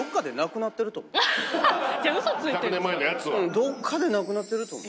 どっかでなくなってると思う。